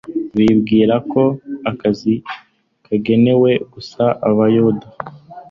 Bibwiraga ko agakiza kagenewe gusa Abayuda,